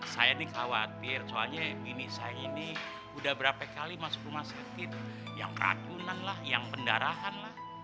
saya nih khawatir soalnya bini saya ini udah berapa kali masuk rumah seti itu yang ratunan lah yang pendarahan lah